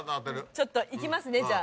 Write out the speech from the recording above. ちょっといきますねじゃあ。